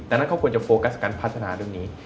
ดังนั้นเขาควรจะโฟกัสการพัฒนาเรื่องนี้